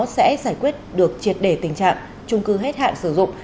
sẽ giải quyết được triệt đề tình trạng chung cư hết hạn sử dụng